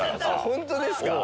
ホントですか？